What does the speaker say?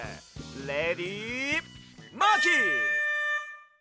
レディマーキー！